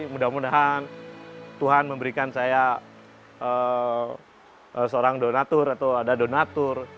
mudah mudahan tuhan memberikan saya seorang donatur atau ada donatur